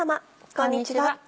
こんにちは。